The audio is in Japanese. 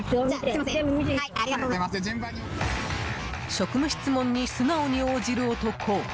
職務質問に素直に応じる男。